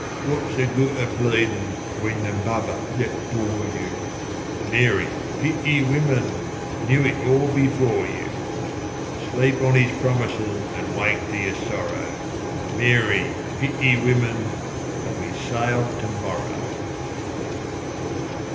What's the good o' pleadin', when the mother that bore you(Mary, pity women!) knew it all before you? Sleep on 'is promises an' wake to your sorrow(Mary, pity women!), for we sail to morrow!